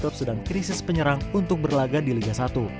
klub sedang krisis penyerang untuk berlaga di liga satu